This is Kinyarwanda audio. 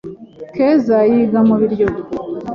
keza yiga mu biryogo